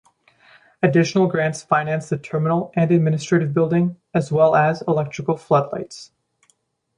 Additional grants financed the terminal and administrative building as well as electric floodlights.